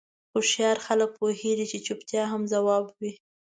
هوښیار خلک پوهېږي چې چوپتیا هم ځواب وي.